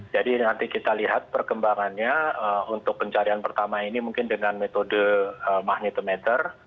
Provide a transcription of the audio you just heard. jadi nanti kita lihat perkembangannya untuk pencarian pertama ini mungkin dengan metode magnetometer